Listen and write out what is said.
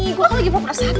gue kan lagi mau prasakin